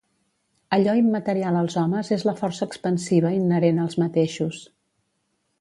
Allò immaterial als homes és la força expansiva inherent als mateixos.